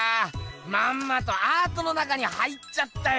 まんまとアートの中に入っちゃったよ！